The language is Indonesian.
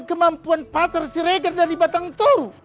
kemampuan pak tersiregar dari batang tur